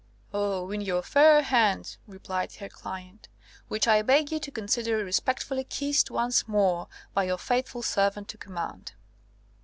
"Oh, in your fair hands," replied her client, "which I beg you to consider respectfully kissed once more by your faithful servant to command."